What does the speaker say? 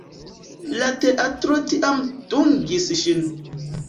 La teatro tiam dungis ŝin.